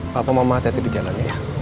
papa mama hati hati di jalan ya